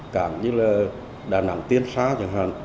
cảng như là đà nẵng tiên xá chẳng hạn